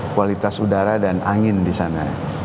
kualitas udara dan angin di sana